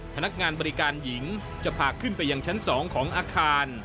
พนักงานบริการหญิงจะพาขึ้นไปยังชั้น๒ของอาคาร